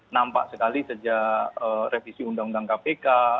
nampak sekali sejak revisi undang undang kpk